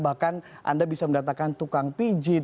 bahkan anda bisa mendatangkan tukang pijit